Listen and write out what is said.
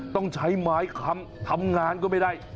ต้องใช้ไม้ค้ำทำงานก็ไม่ได้